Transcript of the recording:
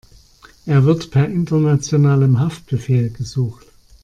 Er wird per internationalem Haftbefehl gesucht.